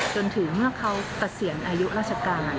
จนถึงเมื่อเขาตัดเสียงอายุราชกาล